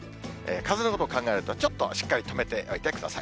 風のことを考えると、ちょっとしっかり留めておいてください。